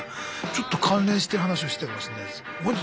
ちょっと関連してる話をしてたかもしれないです。